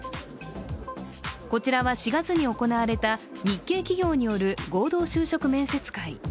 こちらは４月に行われた日系企業による合同就職面接会。